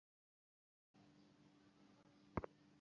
ভূতোর শিয়রে তার মা লক্ষ্মীমণি মৃদুস্বরে কাঁদিতেছিলেন।